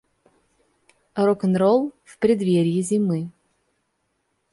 Рок-н-ролл в предверьи зимы.